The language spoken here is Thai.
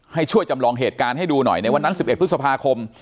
ให้ช่วยจำลองเหตุการณ์ให้ดูหน่อยในวันนั้น๑๑พฤษภาคม